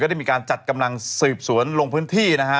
ได้มีการจัดกำลังสืบสวนลงพื้นที่นะฮะ